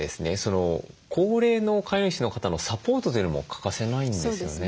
高齢の飼い主の方のサポートというのも欠かせないんですよね。